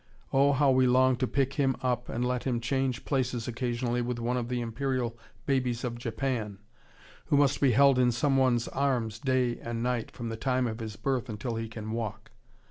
Oh, how we long to pick him up and let him change places occasionally with one of the imperial babies of Japan, who must be held in some one's arms day and night from the time of his birth until he can walk.